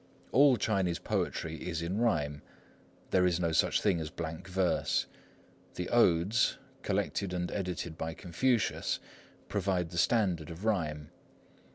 All Chinese poetry is in rhyme; there is no such thing as blank verse. The Odes, collected and edited by Confucius, provide the standard of rhyme.